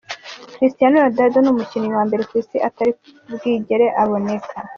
"Christiano Ronaldo ni umukinyi wa mbere kwisi atari bwigere aboneka.